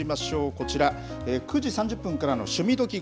こちら、９時３０分からの趣味どきっ！